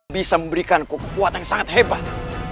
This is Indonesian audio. bisa memberikan ku kuat yang sangat hebat